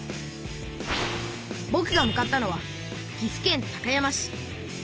ぼくが向かったのは岐阜県高山市。